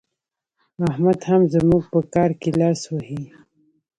احمد هم زموږ په کار کې لاس وهي.